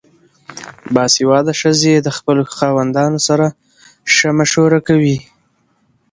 باسواده ښځې د خپلو خاوندانو سره ښه مشوره کوي.